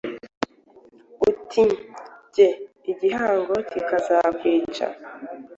utari ge, igihango kikazakwica.